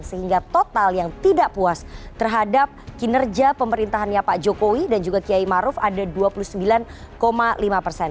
sehingga total yang tidak puas terhadap kinerja pemerintahannya pak jokowi dan juga kiai maruf ada dua puluh sembilan lima persen